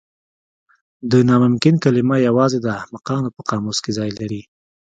د ناممکن کلمه یوازې د احمقانو په قاموس کې ځای لري.